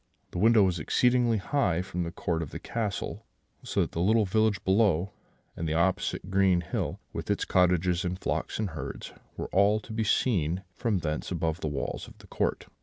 The window was exceedingly high from the court of the castle; so that the little village below, and the opposite green hill, with its cottages and flocks and herds, were all to be seen from thence above the walls of the court.